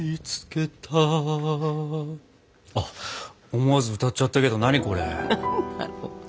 思わず歌っちゃったけど何これ？何なの。